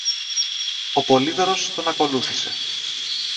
Ο Πολύδωρος τον ακολούθησε.